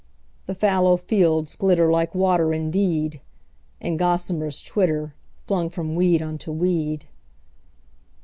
The fallow fields glitter like water indeed, And gossamers twitter, flung from weed unto weed.